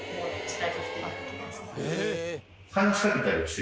え！